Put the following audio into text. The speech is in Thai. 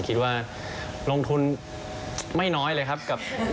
คิดว่าลงทุนไม่น้อยเลยครับกับ